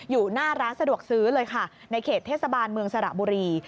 อยู่หน้าร้านสะดวกซื้อเลยค่ะในเขตเทศบาลเมืองสระบุรี